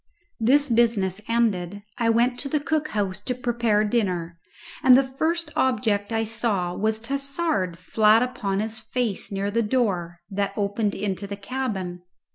This business ended, I went to the cook house to prepare dinner, and the first object I saw was Tassard flat upon his face near the door that opened into the cabin.